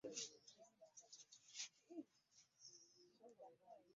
Nzize ŋŋenderera ebizze bikolebwa wano.